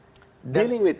masih proses killing kita lah